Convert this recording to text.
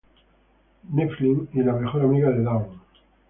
Nephilim y la mejor amiga de Dawn.